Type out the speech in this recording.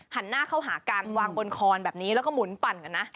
หันหน้าเข้าหาการวางบนคอนแบบนี้แล้วก็หมุนปั่นกันนะ